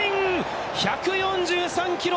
１４３キロ。